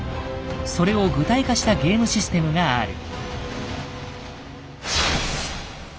それを具体化したゲームシステムがある。